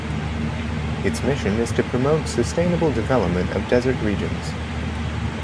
Its mission is to promote sustainable development of desert regions.